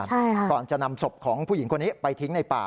ใช่ค่ะก่อนจะนำศพของผู้หญิงคนนี้ไปทิ้งในป่า